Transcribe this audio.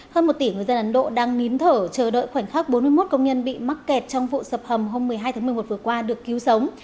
hơn một tỷ người dân ấn độ đang nín thở chờ đợi khoảnh khắc bốn mươi một công nhân bị mắc kẹt trong vụ sập hầm hôm một mươi hai tháng một mươi một vừa qua được cứu sống